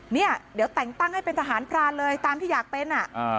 เนี่ยเดี๋ยวแต่งตั้งให้เป็นทหารพรานเลยตามที่อยากเป็น